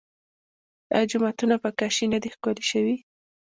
آیا جوماتونه په کاشي نه دي ښکلي شوي؟